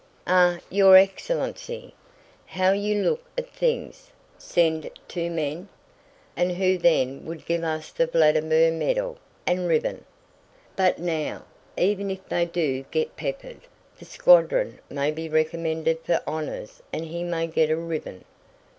"Ah, your excellency! How you look at things! Send two men? And who then would give us the Vladímir medal and ribbon? But now, even if they do get peppered, the squadron may be recommended for honors and he may get a ribbon.